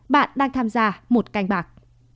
bạn đang tham gia một canh bạc